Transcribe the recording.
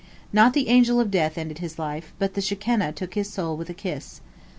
Not the Angel of Death ended his life, but the Shekinah took his soul with a kiss.